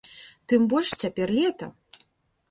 Тым больш, цяпер лета!